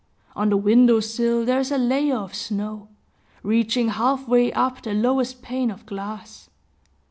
On the window sill, there is a layer of snow, reaching half way up the lowest pane of glass.